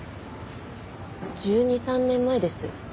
１２１３年前です。